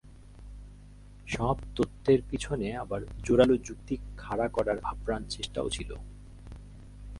সব তত্ত্বের পেছনে আবার জোরালো যুক্তি খাড়া করার আপ্রাণ চেষ্টাও ছিল।